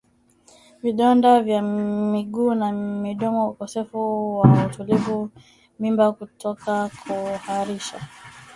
vidonda vya miguu na midomo ukosefu wa utulivu mimba kutoka kuharisha